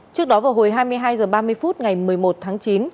trước đó vào hồi hai mươi hai h ba mươi phút ngày một mươi một tháng chín